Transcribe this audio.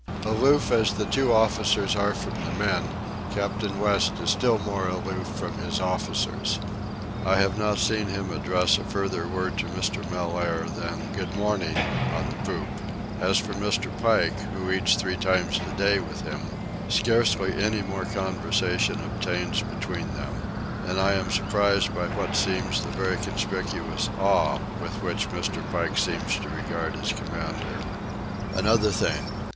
Aloof as the two officers are from the men, Captain West is still more aloof from his officers. I have not seen him address a further word to Mr. Mellaire than "Good morning" on the poop. As for Mr. Pike, who eats three times a day with him, scarcely any more conversation obtains between them. And I am surprised by what seems the very conspicuous awe with which Mr. Pike seems to regard his commander. Another thing.